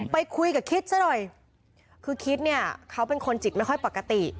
ไปคุยกับคิดซะหน่อยคือคิดเนี่ยเขาเป็นคนจิตไม่ค่อยปกติ